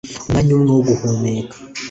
umwanya umwe wo guhumeka,